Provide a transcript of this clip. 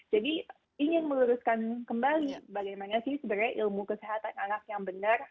jadi ingin meluruskan kembali bagaimana sih sebenarnya ilmu kesehatan anak yang benar